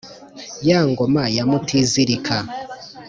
ya ngoma ya mutizirika